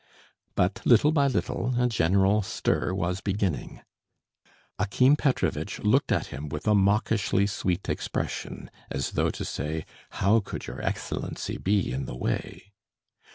But little by little a general stir was beginning. Akim Petrovitch looked at him with a mawkishly sweet expression as though to say, "How could your Excellency be in the way?"